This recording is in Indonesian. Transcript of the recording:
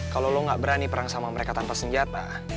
kalau lo gak berani perang sama mereka tanpa senjata